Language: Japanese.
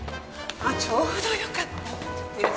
ちょうどよかったわ。